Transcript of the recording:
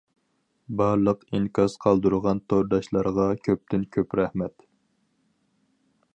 بارلىق ئىنكاس قالدۇرغان تورداشلارغا كۆپتىن-كۆپ رەھمەت.